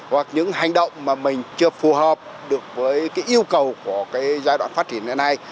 hoặc những hành động mà mình chưa phù hợp được với cái yêu cầu của cái giai đoạn phát triển hiện nay